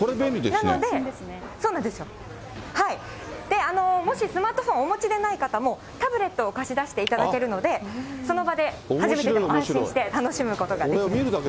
なので、そうなんですよ、もしスマートフォンお持ちでない方も、タブレットを貸し出していただけるので、その場で初めてでも安心して楽しむことができます。